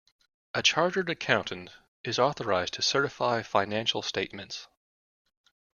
A chartered accountant is authorised to certify financial statements